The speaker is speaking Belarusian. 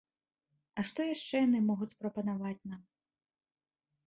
А што яшчэ яны могуць прапанаваць нам?